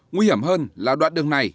nguy hiểm hơn là đoạn đường này